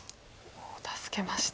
助けました。